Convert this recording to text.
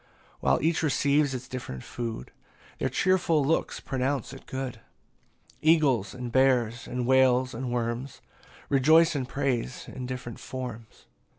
22 While each receives his different food, Their cheerful looks pronounce it good; Eagles and bears, and whales and worms, Rejoice and praise in different forms.